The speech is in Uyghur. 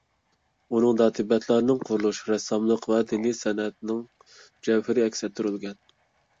ئۇنىڭدا تىبەتلەرنىڭ قۇرۇلۇش، رەسساملىق ۋە دىنىي سەنئىتىنىڭ جەۋھىرى ئەكس ئەتتۈرۈلگەن.